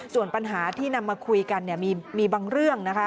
ส่วนปัญหาที่นำมาคุยกันเนี่ยมีบางเรื่องนะคะ